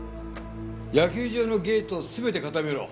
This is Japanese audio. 野球場のゲートを全て固めろ。